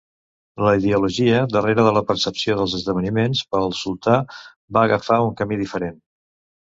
La ideologia darrere de la percepció dels esdeveniments pel sultà van agafar un camí diferent.